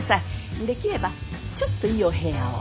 できればちょっといいお部屋を。